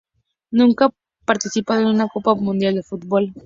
Nunca ha participado en una Copa Mundial de Fútbol.